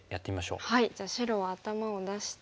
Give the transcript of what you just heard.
じゃあ白は頭を出して。